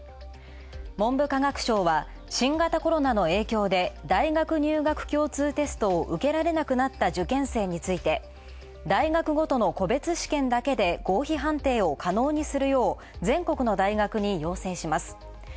文部科学省は、新型コロナの影響で大学入学共通テストを受けられなくなった受験生について大学ごとの個別試験だけで合否判定を可能にするよう全国の大学に要請します。